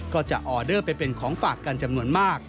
ก็จะออเดอร์ไปเป็นของฝากกันจำนวนมาก